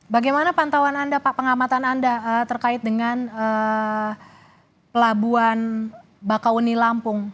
bagaimana pantauan anda pak pengamatan anda terkait dengan pelabuhan bakauni lampung